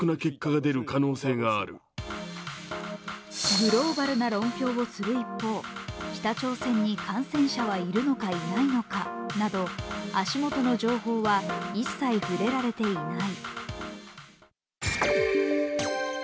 グローバルな論評をする一方北朝鮮に感染者はいるのかいないのかなど足元の情報は一切触れられていない。